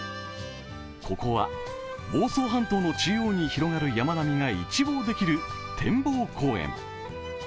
ここは、房総半島の中央に広がる山並みが一望できる展望公園。